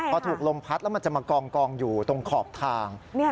พอถูกลมพัดแล้วมันจะมากองอยู่ตรงขอบทาง